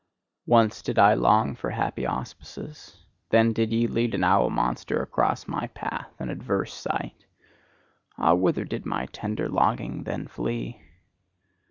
Once did I long for happy auspices: then did ye lead an owl monster across my path, an adverse sign. Ah, whither did my tender longing then flee?